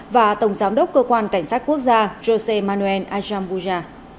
và tổng giám đốc cơ quan cảnh sát quốc gia josé manuel ayambulla